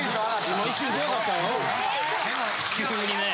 今一瞬怖かったよ。